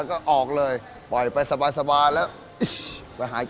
untuk melihat hal yang lebih lucu